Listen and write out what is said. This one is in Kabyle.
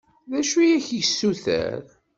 D acu i ak-d-yessuter?